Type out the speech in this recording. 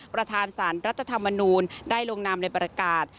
ประธานสารรัฐธรรมนูลได้ลงนามในประกาศ